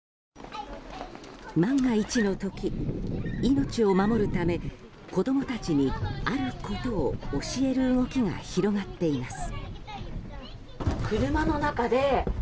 万が一の時、命を守るため子供たちに、あることを教える動きが広がっています。